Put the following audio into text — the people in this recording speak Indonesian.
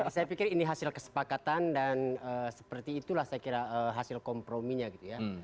saya pikir ini hasil kesepakatan dan seperti itulah saya kira hasil komprominya gitu ya